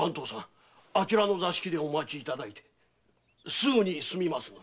すぐに済みますので。